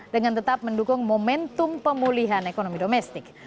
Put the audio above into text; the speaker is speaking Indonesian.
dengan tetap mendukung momentum pemulihan ekonomi domestik